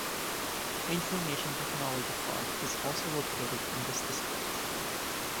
Information Technology Park is also located in this district.